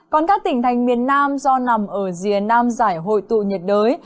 còn các tỉnh thành miền nam do nằm ở rìa nam giải hội tụ nhiệt đới